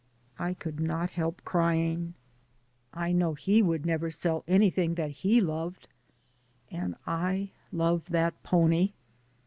I could not help crying. I know he would never sell anything that he loved, and I love that pony.